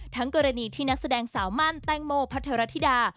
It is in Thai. กรณีที่นักแสดงสาวมั่นแตงโมพัทรธิดา